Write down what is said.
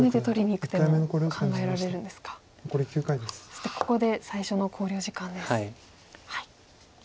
そしてここで最初の考慮時間です。